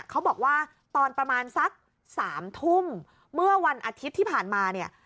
เขาบอกว่าตอนประมาณสัก๓ทุ่มเมื่อวันอาทิตย์ที่ผ่านมาเนี่ย